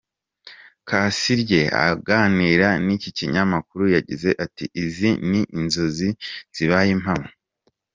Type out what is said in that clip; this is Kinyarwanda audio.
Kasirye aganira n’iki kinyamakuru yagize ati “Izi ni inzozi zibaye impamo.